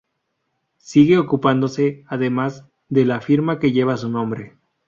Sigue ocupándose, además, de la firma que lleva su nombre.